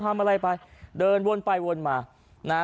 เพิ่มพัมอะไรไปเดินวนไปวนมา